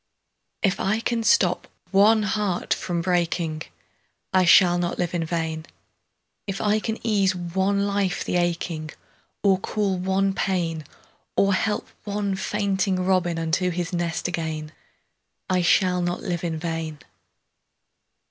VI. If I can stop one heart from breaking, I shall not live in vain; If I can ease one life the aching, Or cool one pain, Or help one fainting robin Unto his nest again, I shall not live in vain.